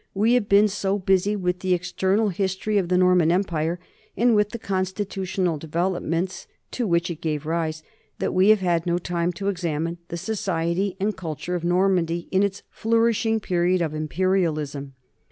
We have been so busy with the external history of the Norman empire and with the constitutional develop ments to which it gave rise, that we have had no time to examine the society and culture of Normandy in its flourishing period of imperialism.